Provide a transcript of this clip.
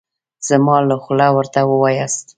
زما له خوا ورته ووایاست.